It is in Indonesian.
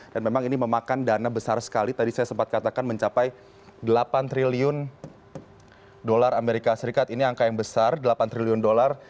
dan memang ini memakan dana besar sekali tadi saya sempat katakan mencapai delapan triliun dolar amerika serikat ini angka yang besar delapan triliun dolar